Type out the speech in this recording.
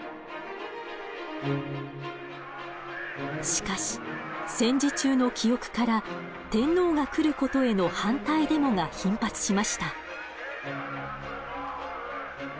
しかし戦時中の記憶から天皇が来ることへの反対デモが頻発しました。